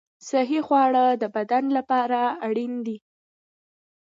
صحي خواړه د بدن لپاره اړین دي.